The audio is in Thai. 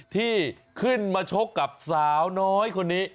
ที่ขึ้นมาชกกับสาวน้อยคนนี้